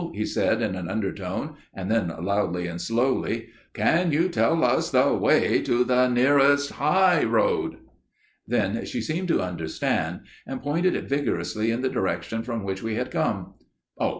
he said in an undertone, and then loudly and slowly, 'Can you tell us the way to the nearest high road?' "Then she seemed to understand, and pointed vigorously in the direction from which we had come. "'Oh!